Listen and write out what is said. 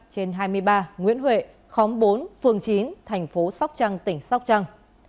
trên hai mươi ba nguyễn huệ khóm bốn phường chín thành phố sóc trăng tỉnh sóc trăng